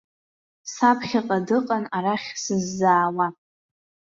Саԥхьаҟа дыҟан арахь сыззаауа.